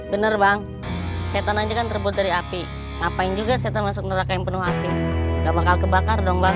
bener bang setan aja kan terbuat dari api ngapain juga setan masuk neraka yang penuh api gak bakal kebakar dong bang